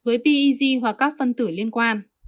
với peg hoặc các phân tử liên quan